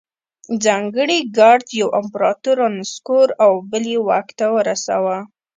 ځانګړي ګارډ یو امپرتور رانسکور او بل یې واک ته رساوه.